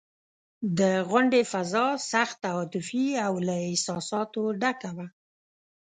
د غونډې فضا سخته عاطفي او له احساساتو ډکه وه.